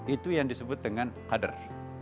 itu yang disebut dengan kader